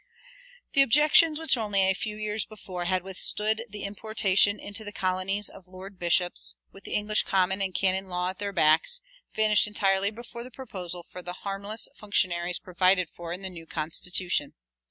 [211:2] The objections which only a few years before had withstood the importation into the colonies of lord bishops, with the English common and canon law at their backs, vanished entirely before the proposal for the harmless functionaries provided for in the new constitution.